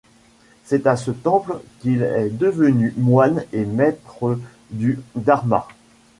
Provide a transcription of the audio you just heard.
C'est à ce temple qu'il est devenu moine et maître du dharma.